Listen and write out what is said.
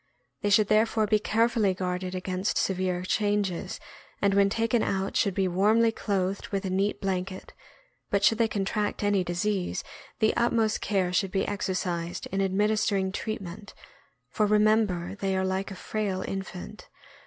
They should therefore be care fully guarded against severe changes, and when taken out should be warmly clothed with a neat blanket; but should they contract any disease, the utmost' care should be exer cised *in administering treatment, for remember they are like a frail infant.